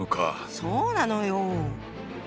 そうなのよ！